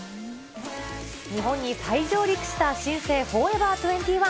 日本に再上陸した新生フォーエバー２１。